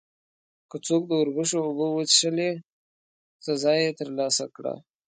که څوک د اوربشو اوبه وڅښلې، سزا یې ترلاسه کړه.